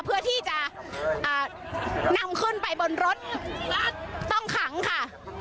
เพื่อที่จะนำขึ้นไปบนรถและต้องขังค่ะ